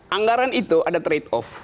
anggaran itu ada trade off